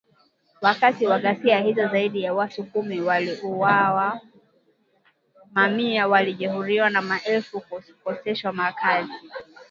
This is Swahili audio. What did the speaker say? Wakati wa ghasia hizo, zaidi ya watu kumi waliuawa, mamia walijeruhiwa na maelfu kukoseshwa makazi